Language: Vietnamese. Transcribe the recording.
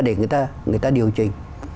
để người ta điều chỉnh